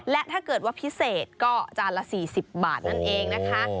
และถ้าเกิดว่าพิเศษก็จานละ๔๐บาทนั่นเองนะคะ